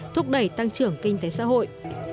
thúc đẩy tăng trưởng kinh tế xã hội